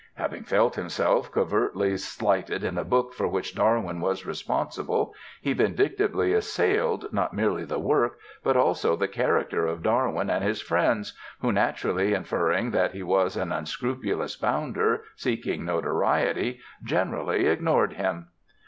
Having felt himself covertly slighted in a book for which Darwin was responsible, he vindictively assailed, not merely the work, but also the character of Darwin and his friends, who, naturally inferring that he was an unscrupulous "bounder" seeking notoriety, generally ignored him.